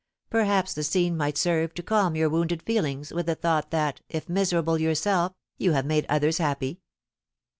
"Perhaps the scene might serve to calm your wounded feelings, with the thought that, if miserable yourself, you have made others happy."